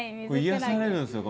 癒やされるんですよ。